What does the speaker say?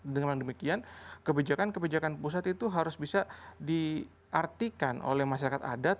dengan demikian kebijakan kebijakan pusat itu harus bisa diartikan oleh masyarakat adat